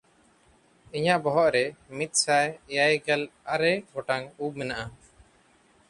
ᱤᱧᱟᱜ ᱵᱚᱦᱚᱜ ᱨᱮ ᱢᱤᱫᱥᱟᱭ ᱮᱭᱟᱭᱜᱮᱞ ᱟᱨᱮ ᱜᱚᱴᱟᱝ ᱩᱵ ᱢᱮᱱᱟᱜᱼᱟ᱾